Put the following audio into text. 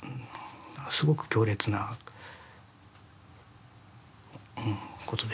すごく強烈なことでしたね。